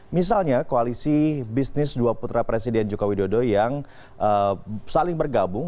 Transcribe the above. misalnya koalisi bisnis dua putra presiden joko widodo yang saling bergabung